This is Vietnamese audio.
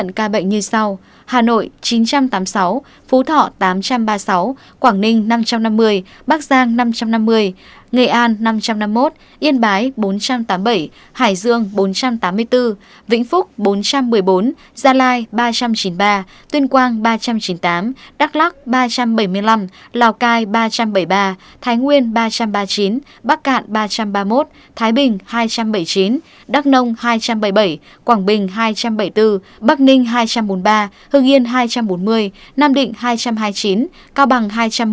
yên bái bốn trăm tám mươi bảy hải dương bốn trăm tám mươi bốn vĩnh phúc bốn trăm một mươi bốn gia lai ba trăm chín mươi ba tuyên quang ba trăm chín mươi tám đắk lắc ba trăm bảy mươi năm lào cai ba trăm bảy mươi ba thái nguyên ba trăm ba mươi chín bắc cạn ba trăm ba mươi một thái bình hai trăm bảy mươi chín đắk nông hai trăm bảy mươi bảy quảng bình hai trăm bảy mươi bốn bắc ninh hai trăm bốn mươi ba hương yên hai trăm bốn mươi nam định hai trăm hai mươi chín cao bằng hai trăm một mươi